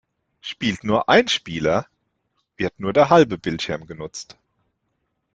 Spielt nur ein Spieler, wird nur der halbe Bildschirm genutzt.